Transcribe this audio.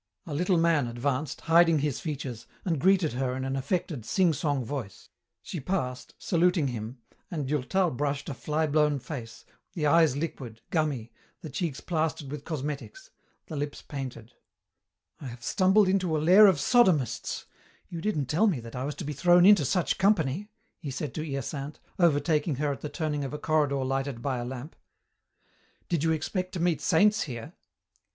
A little man advanced, hiding his features, and greeted her in an affected, sing song voice. She passed, saluting him, and Durtal brushed a fly blown face, the eyes liquid, gummy, the cheeks plastered with cosmetics, the lips painted. "I have stumbled into a lair of sodomists. You didn't tell me that I was to be thrown into such company," he said to Hyacinthe, overtaking her at the turning of a corridor lighted by a lamp. "Did you expect to meet saints here?"